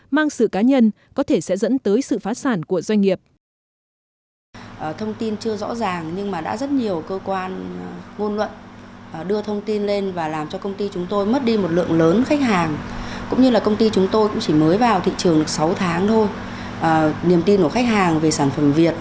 mang sự cá nhân có thể sẽ dẫn tới sự phát sản của doanh nghiệp